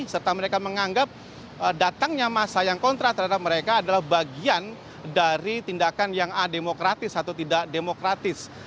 serta mereka menganggap datangnya masa yang kontra terhadap mereka adalah bagian dari tindakan yang ademokratis atau tidak demokratis